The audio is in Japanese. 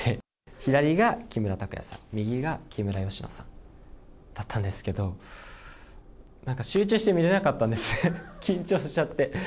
左が木村拓哉さん、右が木村佳乃さんだったんですけど、なんか集中して見れなかったんですね、緊張しちゃって。